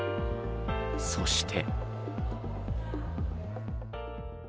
そして。